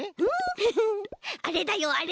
フフあれだよあれ。